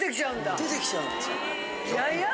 出てきちゃうの。